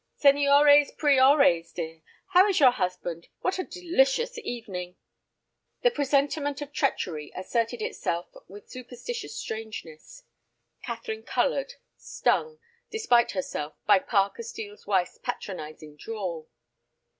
"Seniores priores, dear. How is your husband? What a delicious evening!" The presentiment of treachery asserted itself with superstitious strangeness. Catherine colored, stung, despite herself, by Parker Steel's wife's patronizing drawl.